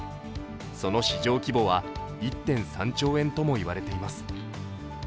その市場規模は１．３兆円とも言われています。